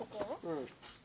うん。